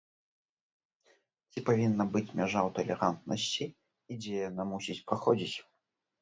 Ці павінна быць мяжа ў талерантнасці і дзе яна мусіць праходзіць?